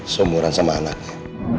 semuran sama anaknya